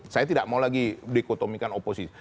saya tidak mau lagi di ekotomikan oposisi